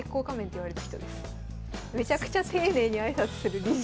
めちゃくちゃ丁寧に挨拶する理事。